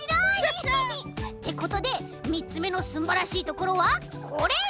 クシャシャ！ってことで３つめのすんばらしいところはこれ！